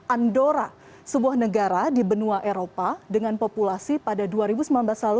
andora sebuah negara di benua eropa dengan populasi pada dua ribu sembilan belas lalu